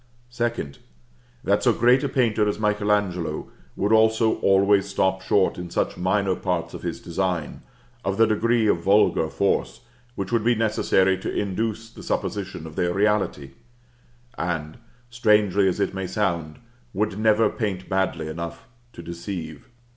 Second. That so great a painter as Michael Angelo would always stop short in such minor parts of his design, of the degree of vulgar force which would be necessary to induce the supposition of their reality; and, strangely as it may sound, would never paint badly enough to deceive.